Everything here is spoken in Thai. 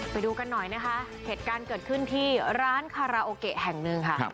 ไปดูกันหน่อยนะคะเหตุการณ์เกิดขึ้นที่ร้านคาราโอเกะแห่งหนึ่งค่ะ